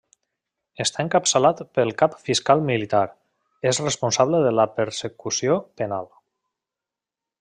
Està encapçalat pel Cap Fiscal Militar, és responsable de la persecució penal.